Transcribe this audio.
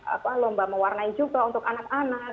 apa lomba mewarnai juga untuk anak anak